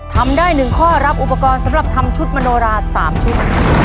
ทำได้๑ข้อรับอุปกรณ์สำหรับทำชุดมโนรา๓ชุด